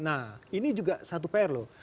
nah ini juga satu pr loh